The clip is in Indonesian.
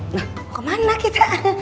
nah mau ke mana kita